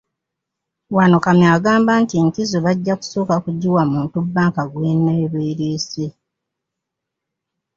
Wano Kamya agamba nti enkizo bajja kusooka kugiwa muntu bbanka gw'enaaba ereese.